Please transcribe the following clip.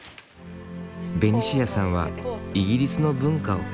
ベニシアさんはイギリスの文化を。